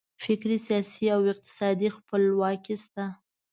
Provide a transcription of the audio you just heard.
فکري، سیاسي او اقتصادي خپلواکي شته.